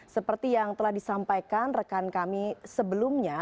seperti yang telah disampaikan rekan kami sebelumnya